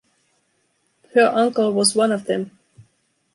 Per Unckel was one of them.